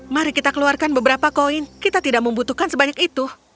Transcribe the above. mari kita keluarkan beberapa koin kita tidak membutuhkan sebanyak itu